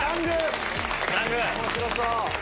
面白そう！